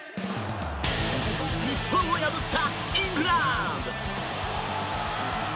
日本を破ったイングランド。